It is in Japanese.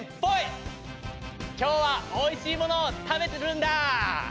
今日はおいしいものを食べてるんだ！